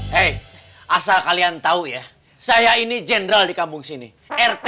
hei asal kalian tau ya saya ini general dikambung sini rt